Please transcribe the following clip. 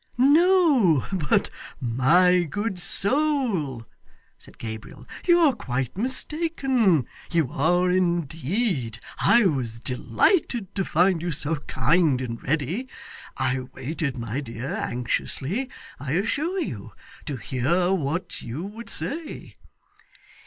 'No, but my good soul,' said Gabriel, 'you are quite mistaken. You are indeed. I was delighted to find you so kind and ready. I waited, my dear, anxiously, I assure you, to hear what you would say.